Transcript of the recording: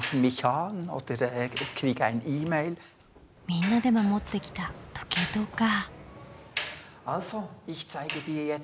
みんなで守ってきた時計塔か。